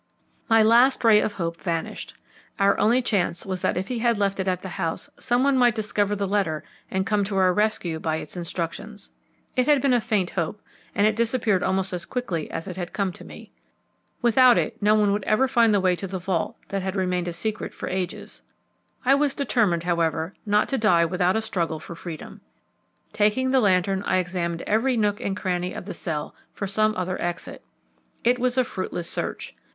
My last ray of hope vanished. Our only chance was that if he had left it at the house some one might discover the letter and come to our rescue by its instructions. It had been a faint hope, and it disappeared almost as quickly as it had come to me. Without it no one would ever find the way to the vault that had remained a secret for ages. I was determined, however, not to die without a struggle for freedom. Taking the lantern, I examined every nook and cranny of the cell for some other exit. It was a fruitless search.